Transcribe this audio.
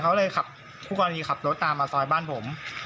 เขาคุณคุณตามมาตลอดบ้านผม